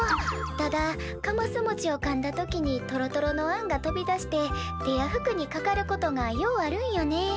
ただかますもちをかんだ時にトロトロのあんが飛び出して手や服にかかることがようあるんよね。